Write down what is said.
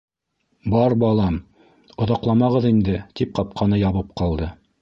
— Бар, балам, оҙаҡламағыҙ инде, — тип ҡапҡаны ябып ҡалды.